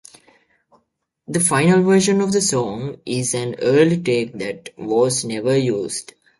The final version of the song is an early take that was never used.